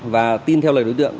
và tin theo lời đối tượng